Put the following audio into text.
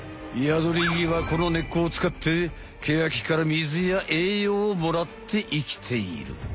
ヤドリギはこの根っこを使ってケヤキから水や栄養をもらって生きている。